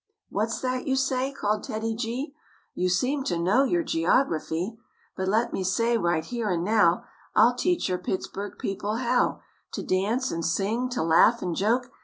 "What's that you say?" called TEDDY G, "You seem to know your geography. But let me say right here and now, I'll teach your Pittsburg people how To dance and sing, to laugh and joke.